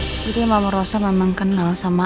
seperti mama rosa memang kenal sama